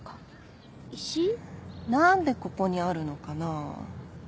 何でここにあるのかな？